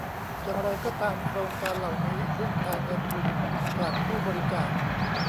อย่างไรก็ตามโครงการเหล่านี้พึ่งพาเงินทุนจากผู้บริจาค